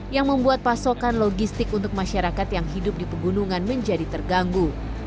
yang membuat pasokan logistik untuk masyarakat yang hidup di pegunungan menjadi terganggu